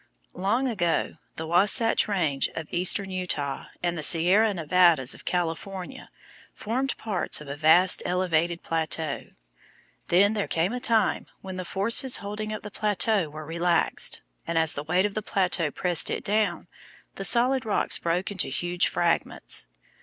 Long ago the Wasatch Range of eastern Utah and the Sierra Nevadas of California formed parts of a vast elevated plateau. Then there came a time when the forces holding up the plateau were relaxed, and as the weight of the plateau pressed it down, the solid rocks broke into huge fragments.